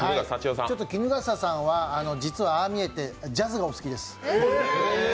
衣笠さんは、ああ見えて実はジャズがお好きです。